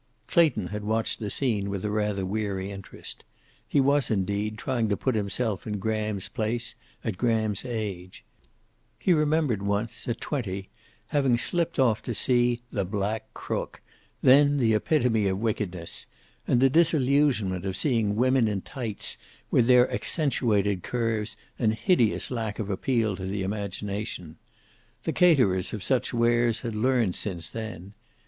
Clayton had watched the scene with a rather weary interest. He was, indeed, trying to put himself in Graham's place, at Graham's age. He remembered once, at twenty, having slipped off to see "The Black Crook," then the epitome of wickedness, and the disillusionment of seeing women in tights with their accentuated curves and hideous lack of appeal to the imagination. The caterers of such wares had learned since then.